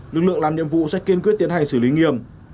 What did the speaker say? lực lượng làm nhiệm vụ sẽ kiên quyết tiến hành xử lý nghiêm